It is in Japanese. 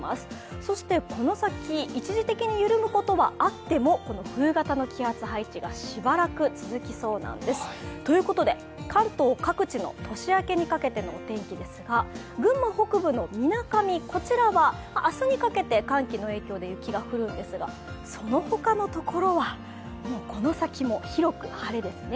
そしてこの先、一時的に緩むことはあっても冬型の気圧配置がしばらく続きそうなんです。ということで、関東各地の年明けにかけてのお天気ですが、群馬北部のみなかみ、こちらは明日にかけて寒気の影響で雪が降るんですが、その他のところは、この先も広く晴れですね。